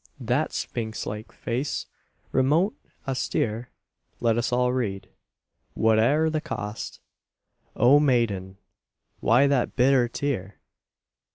That sphinx like face, remote, austere, Let us all read, whate'er the cost: O Maiden! why that bitter tear?